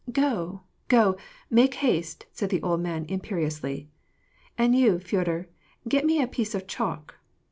" Go, go, make haste," said the old man imperiously. " And you, Feodor, get me a piece of chalk."